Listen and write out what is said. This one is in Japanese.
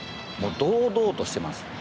堂々としています。